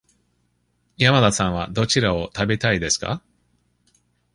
山田さんはどちらを食べたいですか。